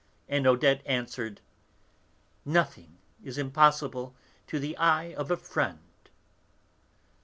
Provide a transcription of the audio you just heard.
And Odette answered, 'Nothing is impossible to the eye of a friend.'